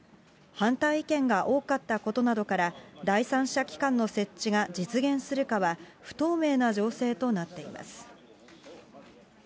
反対意見が多かったことから、第三者機関の設置が実現するかは不透明な情勢となっています。